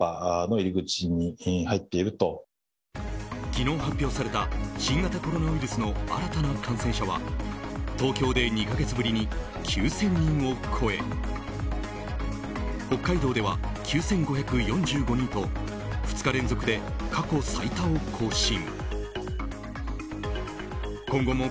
昨日、発表された新型コロナウイルスの新たな感染者は東京で２か月ぶりに９０００人を超え北海道では９５４５人と２日連続で過去最多を更新。